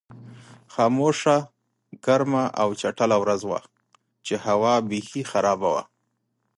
خاموشه، ګرمه او چټله ورځ وه چې هوا بېخي خرابه وه.